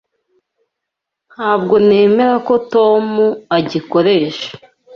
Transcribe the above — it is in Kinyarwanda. Ntabwo nemera ko Tom agikoresha.